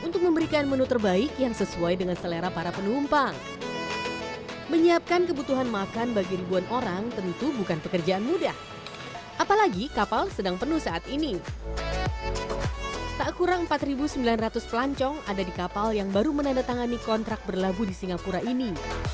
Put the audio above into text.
tak kurang empat sembilan ratus pelancong ada di kapal yang baru menandatangani kontrak berlabuh di singapura ini